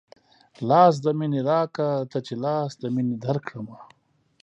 لاس د مينې راکه تۀ چې لاس د مينې درکړمه